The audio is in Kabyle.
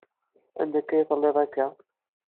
Anda akka ay telliḍ akka?